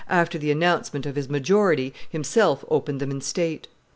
after the announcement of his majority, himself opened them in state.